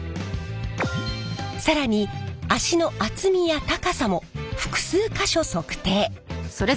更に足の厚みや高さも複数か所測定。